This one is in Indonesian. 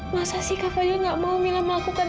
masa sih kak fadil gak mau mila melakukan